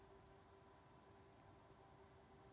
hari ini saya makan joget jaya